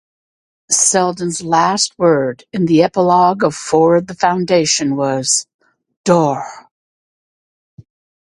Seldon's last word, in the epilogue of "Forward the Foundation", was "Dors!